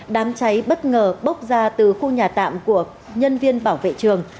đám cháy bất ngờ bốc ra từ khu nhà tạm của nhân viên bảo vệ trường